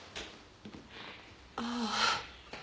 ああ。